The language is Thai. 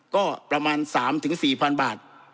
ก็ประมาณ๓๔๐๐๐บาท